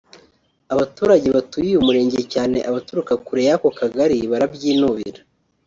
Abaturage batuye uyu Murenge cyane abaturuka kure y’ako Kagali barabyinubira